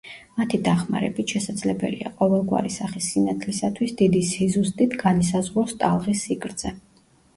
მათი დახმარებით შესაძლებელია ყოველგვარი სახის სინათლისათვის დიდი სიზუსტით განისაზღვროს ტალღის სიგრძე.